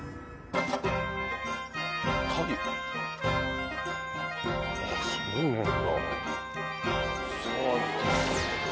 あそうなんだ。